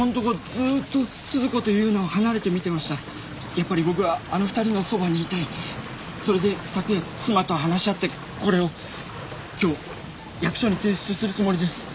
やっぱり僕はあの２人のそばにいたいそれで昨夜妻と話し合ってこれを今日役所に提出するつもりです